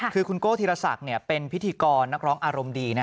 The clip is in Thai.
คือคุณโก้ธีรศักดิ์เป็นพิธีกรนักร้องอารมณ์ดี